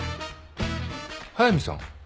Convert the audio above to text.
速見さん？